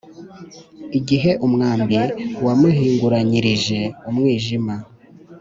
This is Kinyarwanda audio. igihe umwambi wamuhinguranyirije umwijima